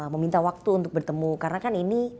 meminta waktu untuk bertemu karena kan ini